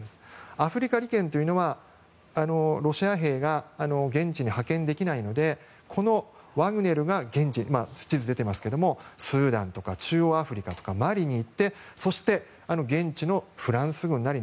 アフリカ利権というのはロシア兵は現地に派遣できないのでこのワグネルが現地のスーダンとか中央アフリカやマリに行って現地のフランス軍なり